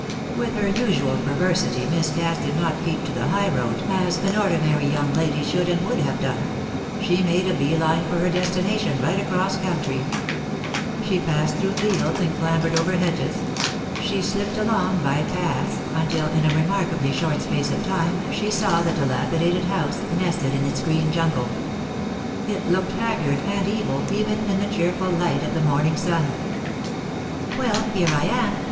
With her usual perversity Miss Cass did not keep to the high road as an ordinary young lady should and would have done; she made a bee line for her destination right across country, She passed through fields, and clambered over hedges; she slipped along by paths, until in a remarkably short space of time she saw the dilapidated house nested in its green jungle. It looked haggard and evil even in the cheerful light of the morning sun. "Well, here I am!"